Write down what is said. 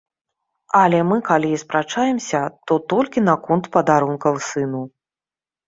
Але мы калі і спрачаемся, то толькі наконт падарункаў сыну.